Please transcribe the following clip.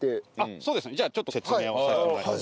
そうですねじゃあちょっと説明をさせてもらいます。